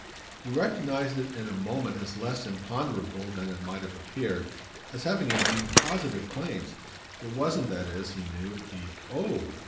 He recognised it in a moment as less imponderable than it might have appeared, as having indeed positive claims. It wasn't, that is, he knew, the "Oh!"